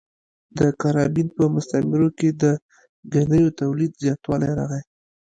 د کارابین په مستعمرو کې د ګنیو تولید زیاتوالی راغی.